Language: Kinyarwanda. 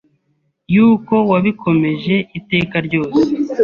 yuko wabikomeje iteka ryose.